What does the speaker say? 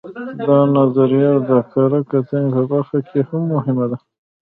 دا نظریه د کره کتنې په برخه کې هم مهمه ده